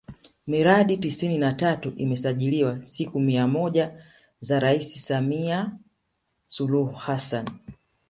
Miradi tisini na tatu imesajiliwa siku mia moja za Rais Samilia Suluhu Hassan